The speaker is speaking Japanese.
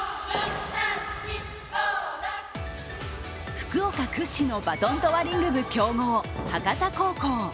福岡屈指のバトントワリング部強豪博多高校。